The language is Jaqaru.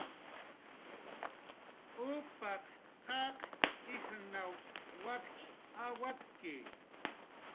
Upaq qaq ijrnaw wakch awatki